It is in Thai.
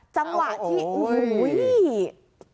จังหวะที่โอ้โห